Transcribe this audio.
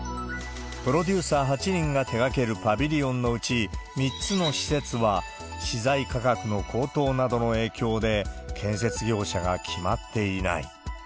プロデューサー８人が手がけるパビリオンのうち３つの施設は、資材価格の高騰などの影響で、建設業者が決まっていない。